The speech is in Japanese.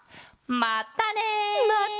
まったね！